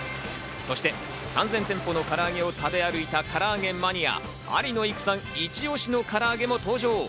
そして３０００店舗の唐揚げを食べ歩いた唐揚げマニア・有野いくさんイチオシの唐揚げも登場。